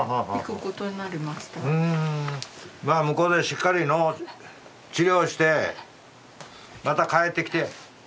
まあ向こうでしっかりのう治療してまた帰ってきて。